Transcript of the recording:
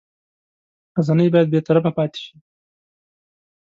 رسنۍ باید بېطرفه پاتې شي.